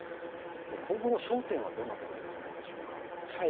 今後の焦点はどんなところになるでしょうか。